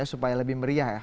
supaya lebih meriah ya